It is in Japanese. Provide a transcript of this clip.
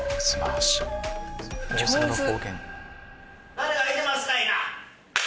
誰かいてますかいな？